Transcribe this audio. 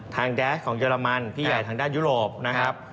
แดสของเยอรมันพี่ใหญ่ทางด้านยุโรปนะครับ